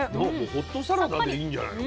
ホットサラダでいいんじゃないの？